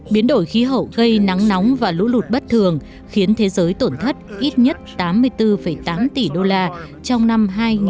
biến đổi khí hậu gây nắng nóng và lũ lụt bất thường khiến thế giới tổn thất ít nhất tám mươi bốn tám tỷ đô la trong năm hai nghìn một mươi chín